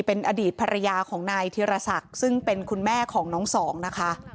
เป็นอดีตภรรยาของนายธีรศักดิ์ซึ่งเป็นคุณแม่ของน้องสองนะคะ